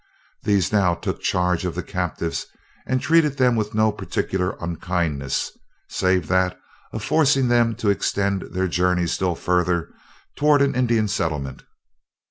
These now took charge of the captives and treated them with no particular unkindness, save that of forcing them to extend their journey still further toward an Indian settlement.